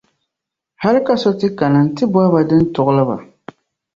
hal ka so ti kana n-ti bɔhi din tuɣili ba.